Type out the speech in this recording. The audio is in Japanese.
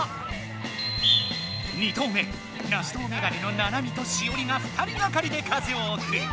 ２投目ナシトウメガネのナナミとシオリが２人がかりで風をおくる。